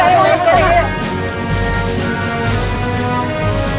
lari ke sana lagi